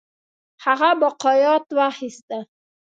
هغه باقیات واخیستل.